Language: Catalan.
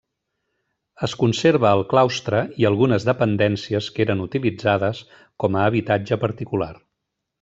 Es conserva el claustre i algunes dependències que eren utilitzades com a habitatge particular.